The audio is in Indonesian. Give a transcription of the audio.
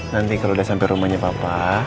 nanti kalau udah sampai rumahnya papa